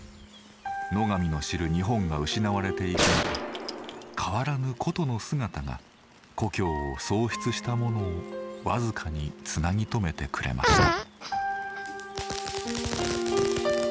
野上の知る日本が失われていく中変わらぬ古都の姿が故郷を喪失した者を僅かにつなぎ止めてくれました。